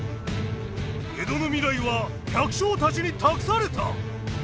江戸の未来は百姓たちに託された！